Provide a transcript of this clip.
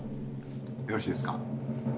よろしいですか？